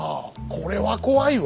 これは怖いわ。